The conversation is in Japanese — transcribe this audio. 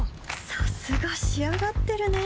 さすが仕上がってるね